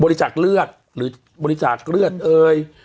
บริจักษ์เลือดหรือบริจักษ์เลือดเอ่ย